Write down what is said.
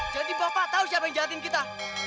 jadi bapak tahu siapa yang ngejahat kita